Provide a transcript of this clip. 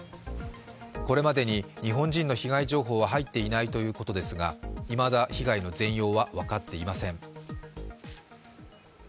これまでに日本人の被害情報は入っていないということですが、いまだ被害の全容は分かっていません。